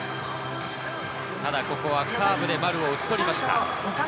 ただここはカーブで丸を打ち取りました。